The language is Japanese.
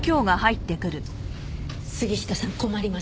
杉下さん困ります。